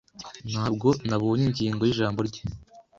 Ntabwo nabonye ingingo yijambo rye.